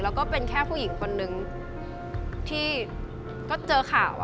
แล้วก็เป็นแค่ผู้หญิงคนนึงที่ก็เจอข่าว